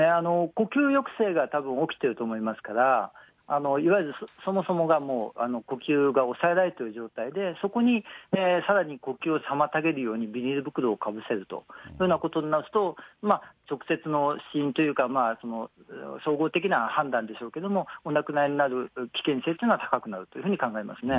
呼吸抑制がたぶん起きてると思いますから、いわゆるそもそもがもう、呼吸が抑えられてる状態で、そこにさらに呼吸を妨げるようにビニール袋をかぶせるというようなことになると、直接の死因というか、総合的な判断でしょうけども、お亡くなりになる危険性というのは高くなるというふうに考えますね。